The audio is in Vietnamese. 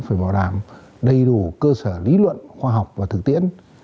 phải bảo đảm đầy đủ cơ sở lý luận khoa học và thực tiễn